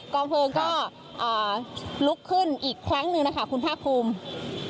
องเพลิงก็ลุกขึ้นอีกครั้งหนึ่งนะคะคุณภาคภูมิ